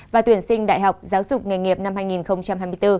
và tuyển sinh đại học giáo dục nghề nghiệp năm hai nghìn hai mươi bốn